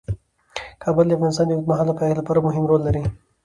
کابل د افغانستان د اوږدمهاله پایښت لپاره مهم رول لري.